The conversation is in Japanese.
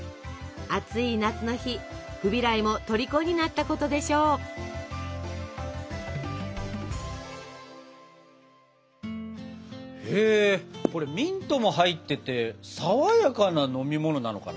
暑い夏の日フビライもとりこになったことでしょう！へこれミントも入っててさわやかな飲み物なのかな？